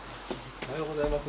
おはようございます。